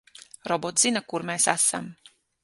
Robots zina, kur mēs esam.